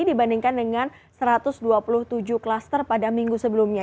dibandingkan dengan satu ratus dua puluh tujuh klaster pada minggu sebelumnya